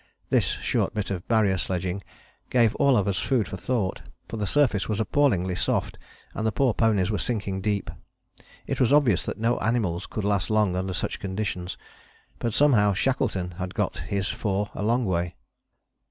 This short bit of Barrier sledging gave all of us food for thought, for the surface was appallingly soft, and the poor ponies were sinking deep. It was obvious that no animals could last long under such conditions. But somehow Shackleton had got his four a long way.